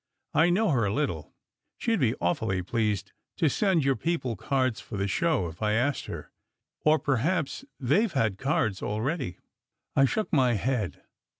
I know her a little. She d be awfully pleased to send your people cards for the show, if I asked her. Or perhaps they ve had cards already?" I shook my head.